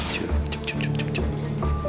cukup cukup cukup